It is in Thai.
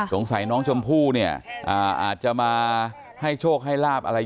สงสัยน้องชมพู่เนี่ยอาจจะมาให้โชคให้ลาบอะไร